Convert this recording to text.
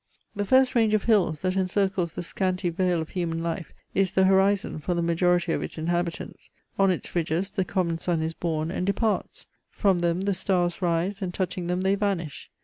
The first range of hills, that encircles the scanty vale of human life, is the horizon for the majority of its inhabitants. On its ridges the common sun is born and departs. From them the stars rise, and touching them they vanish.